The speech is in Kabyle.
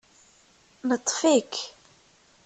Neṭṭef-ik